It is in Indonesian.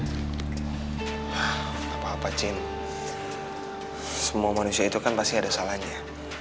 gapapa cin semua manusia itu kan pasti ada salahnya